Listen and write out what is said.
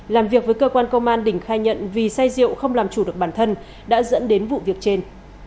làm việc với cơ quan công an đình khai nhận vì say rượu không làm chủ được bản thân đã dẫn đến vụ việc trên